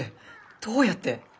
どうやって？